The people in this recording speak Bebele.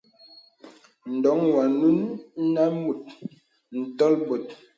Ǹdoŋ wanùŋ nə mùt ǹtol bòt.